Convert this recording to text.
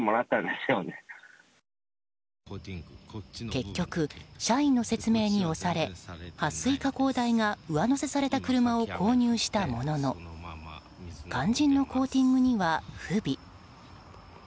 結局、社員の説明に押され撥水加工代が上乗せされた車を購入したものの肝心のコーティングには不備。